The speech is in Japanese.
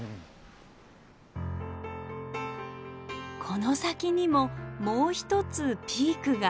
この先にももう一つピークが。